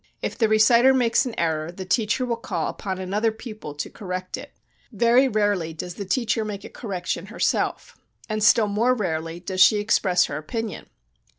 If the reciter makes an error the teacher will call upon another pupil to correct it; very rarely does the teacher make a correction herself, and still more rarely does she express her opinion.